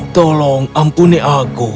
tolong ampuni aku